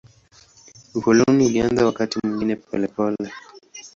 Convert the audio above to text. Ukoloni ulianza wakati mwingine polepole.